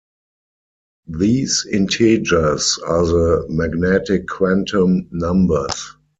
These integers are the magnetic quantum numbers.